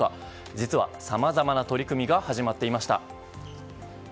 実は、さまざまな取り組みが始まっていました。